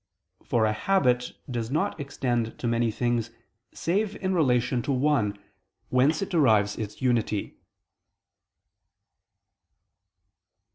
For a habit does not extend to many things save in relation to one, whence it derives its unity.